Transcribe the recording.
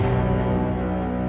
jangan patuh ke cukup